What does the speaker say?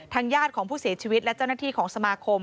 ญาติของผู้เสียชีวิตและเจ้าหน้าที่ของสมาคม